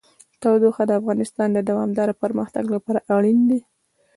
تودوخه د افغانستان د دوامداره پرمختګ لپاره اړین دي.